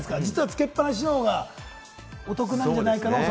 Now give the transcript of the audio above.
つけっぱなしの方がお得なんじゃないか論争。